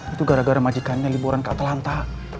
itu gara gara majikannya liburan ke atalanta